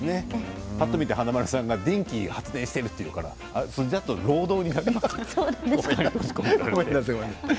ぱっと見て華丸さんが電気を発電しているというからそれだと労働になる。